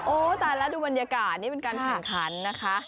ตายแล้วดูบรรยากาศนี่เป็นการแข่งขันนะคะ